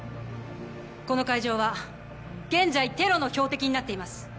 この会場は現在テロの標的になっています。